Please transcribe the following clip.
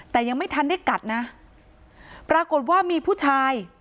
แต่ยังไม่ทันได้กัดนะปรากฏว่ามีผู้ชาย